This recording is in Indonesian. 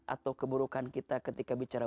atau keburukan kita ketika bicara